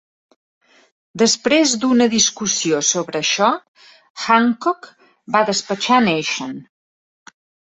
Després d'una discussió sobre això, Hancock va despatxar Nation.